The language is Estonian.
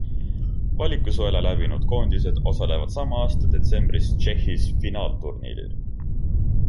Valikusõela läbinud koondised osalevad sama aasta detsembris Tšehhis finaalturniiril.